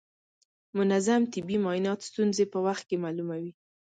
منظم طبي معاینات ستونزې په وخت کې معلوموي.